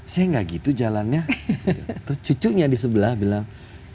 saya nggak gitu jalannya terus cucunya di sebelah bilang